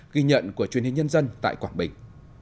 ghi nhận của truyền hình nhân dân tại quảng bình